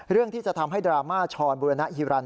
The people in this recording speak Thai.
เรื่องที่จะทำให้ดรามาชรบุรณะฮิรัณ